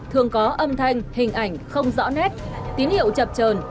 thường có âm thanh hình ảnh không rõ nét tín hiệu chập trờn